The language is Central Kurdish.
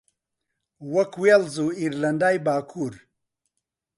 وەک وێڵز و ئێرلەندای باکوور